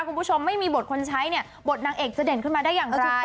คุณผู้ชมไม่มีบทคนใช้เนี่ยบทนางเอกจะเด่นขึ้นมาได้อย่างไร